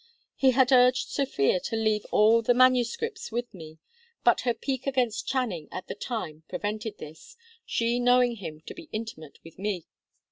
He had urged Sophia to leave all the MSS. with me, but her pique against Channing at the time prevented this, she knowing him to be intimate with me.